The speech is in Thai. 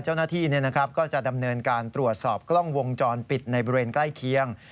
เจ้าหน้าที่ก็จะดำเนินการตรวจสอบกล้องวงจรปิดในบริเวณใกล้เคียง